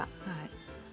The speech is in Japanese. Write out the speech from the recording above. はい。